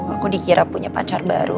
aku dikira punya pacar baru